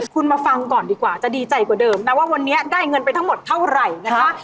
คุณมาฟังก่อนดีกว่าจะดีใจกว่าเดิมนะว่าวันนี้ได้เงินไปทั้งหมดเท่าไหร่นะคะ